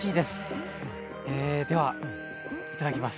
えではいただきます。